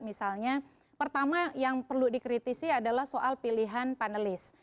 misalnya pertama yang perlu dikritisi adalah soal pilihan panelis